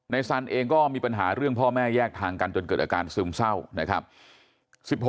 สันเองก็มีปัญหาเรื่องพ่อแม่แยกทางกันจนเกิดอาการซึมเศร้านะครับ